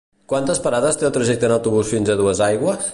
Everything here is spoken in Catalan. Quantes parades té el trajecte en autobús fins a Duesaigües?